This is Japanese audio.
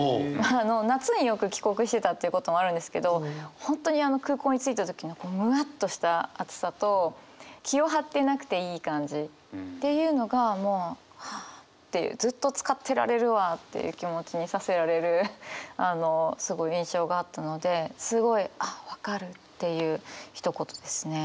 夏によく帰国してたということもあるんですけど本当に空港に着いた時のこうむわっとした暑さと気を張っていなくていい感じっていうのがもうはあっていうずっとつかってられるわっていう気持ちにさせられるすごい印象があったのですごいあっ分かるっていうひと言ですね。